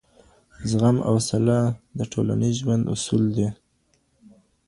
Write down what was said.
زغم او حوصله د ټولنيز ژوند اصول دي.